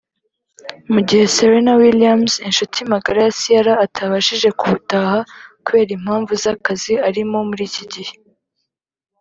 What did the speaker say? mu gihe Serena Williams inshuti magara ya Ciara atabashije kubutaha kubera impamvu z’akazi arimo muri iki gihe